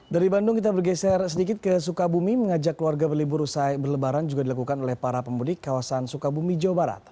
dari bandung kita bergeser sedikit ke sukabumi mengajak keluarga berlibur usai berlebaran juga dilakukan oleh para pemudik kawasan sukabumi jawa barat